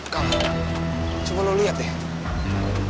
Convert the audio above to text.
kamu coba lu lihat deh